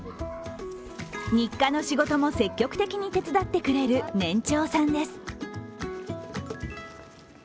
日課の仕事も積極的に手伝ってくれる年長さんです。